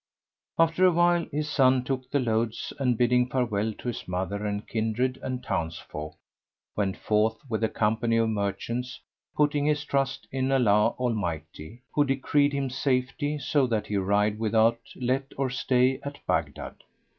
After a while his son took the loads and, bidding farewell to his mother and kindred and townsfolk, went forth with a company of merchants, putting his trust in Allah Almighty, who decreed him safety, so that he arrived without let or stay at Baghdad.